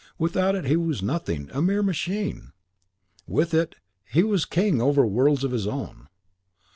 Without it he was nothing, a mere machine! WITH it, he was king over worlds of his own.